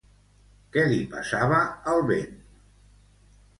Què li passava al vent?